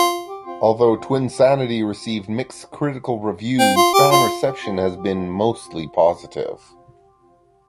Although "Twinsanity" received mixed critical reviews, fan reception has been mostly positive.